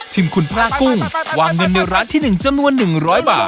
คุณพระกุ้งวางเงินในร้านที่๑จำนวน๑๐๐บาท